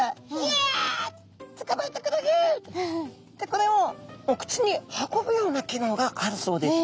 これをお口に運ぶような機能があるそうです。